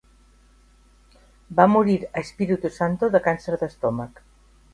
Va morir a Espiritu Santo de càncer d'estómac.